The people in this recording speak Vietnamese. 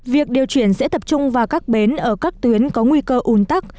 việc điều chuyển sẽ tập trung vào các bến ở các tuyến có nguy cơ ùn tắc